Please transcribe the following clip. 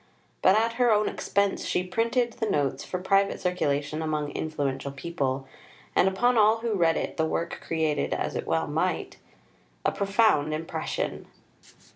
But at her own expense she printed the Notes for private circulation among influential people, and upon all who read it the work created, as well it might, a profound impression.